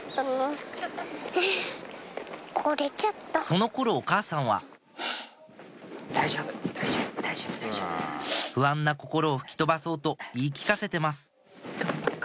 その頃お母さんは不安な心を吹き飛ばそうと言い聞かせてます